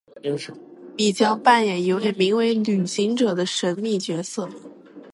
你将扮演一位名为「旅行者」的神秘角色。